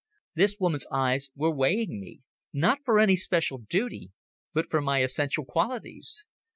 This woman's eyes were weighing me, not for any special duty, but for my essential qualities.